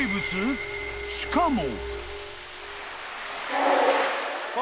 ［しかも］